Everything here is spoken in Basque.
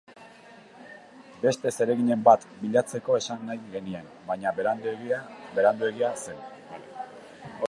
Beste zereginen bat bilatzeko esan nahi genien, baina Beranduegi zen.